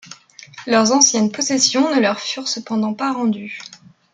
Leurs anciennes possessions ne leur furent cependant pas rendues.